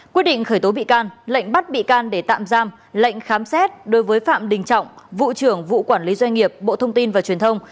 quyết định khởi tố bị can lệnh bắt bị can để tạm giam lệnh khám xét đối với phạm đình trọng vụ trưởng vụ quản lý doanh nghiệp bộ thông tin và truyền thông